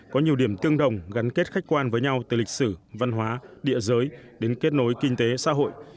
có nhiều điểm tương đồng gắn kết khách quan với nhau từ lịch sử văn hóa địa giới đến kết nối kinh tế xã hội